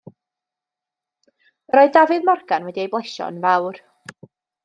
Yr oedd Dafydd Morgan wedi ei blesio yn fawr.